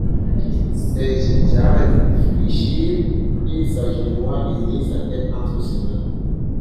Ses jarrets fléchirent ; il s'agenouilla et mit sa tête entre ses mains.